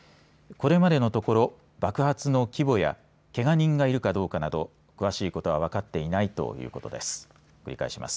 これまでのところ爆発の規模やけが人がいるかどうかなど詳しいことは分かっていないということです。